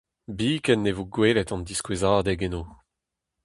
Biken ne vo gwelet an diskouezadeg eno.